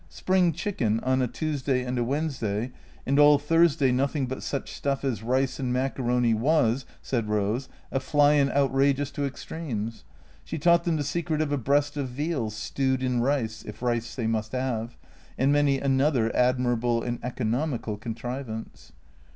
Spring chicken on a Tuesday and a Wednesday, and all Thursday nothing but such stuff as rice and macaroni was, said Eose, a flyin' out rageous to extremes. She taught them the secret of a breast of veal, stewed in rice (if rice they must have), and many another admirable and economical contrivance.